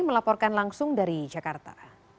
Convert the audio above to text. melaporkan langsung dari jakarta